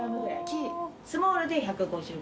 スモールで１５０ｇ。